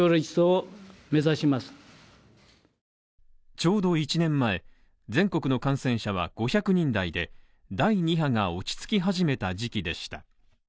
ちょうど１年前、全国の感染者は５００人台で、第二波が落ち着き始めた時期でした。